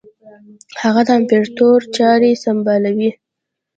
هغه د امپراطوري چاري سمبالوي.